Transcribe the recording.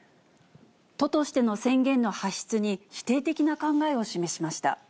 都としての宣言の発出に、否定的な考えを示しました。